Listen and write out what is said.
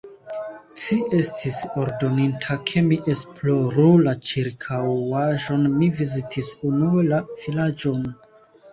Ci estis ordoninta, ke mi esploru la ĉirkaŭaĵon; mi vizitis unue la vilaĝon.